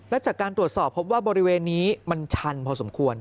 และจากการตรวจสอบพบว่าบริเวณนี้มันชันพอสมควร